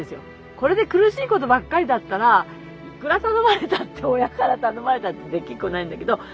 これで苦しいことばっかりだったらいくら頼まれたって親から頼まれたってできっこないんだけど。